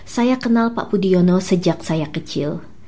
saya kenal pak budiono sejak saya kecil